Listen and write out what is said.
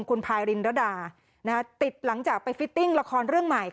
คุณพายรินรดาติดหลังจากไปฟิตติ้งละครเรื่องใหม่